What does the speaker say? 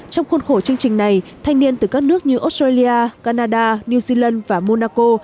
trong khuôn khổ chương trình này thanh niên từ các nước như australia canada new zealand và monaco